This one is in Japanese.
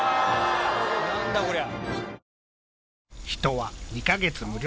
何だこりゃ。